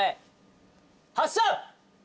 発射！